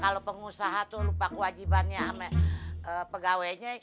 kalau pengusaha tuh lupa kewajibannya pegawainya